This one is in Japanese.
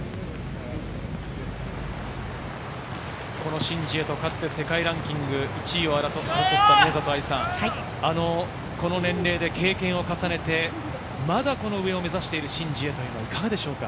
このシン・ジエとかつて、世界ランキング１位を争った宮里藍さん、この年齢で経験を重ねて、まだこの上を目指しているシン・ジエはいかがでしょうか？